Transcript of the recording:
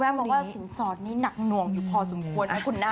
มองว่าสินสอดนี่หนักหน่วงอยู่พอสมควรนะคุณนะ